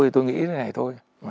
tôi nghĩ như thế này thôi